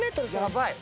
［やばい］